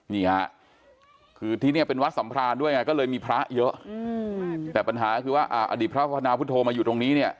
นี่ฮะคือที่นี่เป็นวัดสัมพรานด้วยไงก็เลยมีพระเยอะแต่ปัญหาคือว่าอดีตพระพนาพุทธโธมาอยู่ตรงนี้เนี่ย